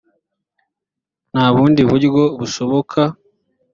nta bundi buryo bushoboka